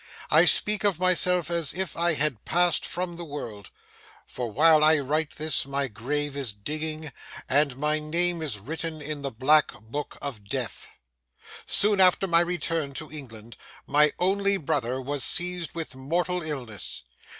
I speak of myself as if I had passed from the world; for while I write this, my grave is digging, and my name is written in the black book of death. Soon after my return to England, my only brother was seized with mortal illness.